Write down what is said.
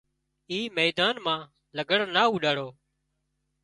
اي ميدان مان لگھڙ نا اوڏاڙو